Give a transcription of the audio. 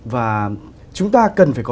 và chúng ta cần phải có